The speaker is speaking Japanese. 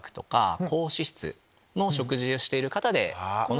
食事をしている方で多い。